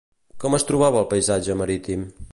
Com es trobava el paisatge marítim?